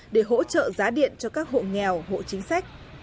để hỗ trợ giá điện cho các hộ nghèo hộ chính sách